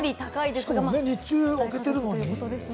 しかも日中あけてるのに？